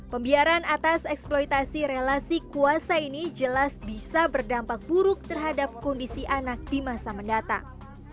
pembiaran atas eksploitasi relasi kuasa ini jelas bisa berdampak buruk terhadap kondisi anak di masa mendatang